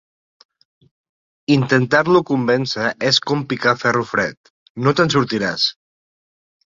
Intentar-lo convèncer és com picar ferro fred. No te'n sortiràs!